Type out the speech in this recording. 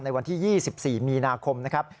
วันที่๒๔มีนาคมนะครับ